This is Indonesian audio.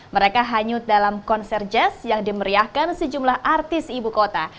mereka hanyut dalam konser jazz yang dimeriahkan sejumlah artis ibu kota